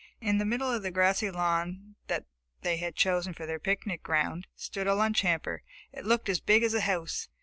In the middle of the grassy lawn that they had chosen for their picnic ground stood the lunch hamper. It looked as big as a house!